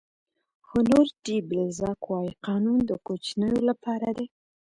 هونور ډي بلزاک وایي قانون د کوچنیو لپاره دی.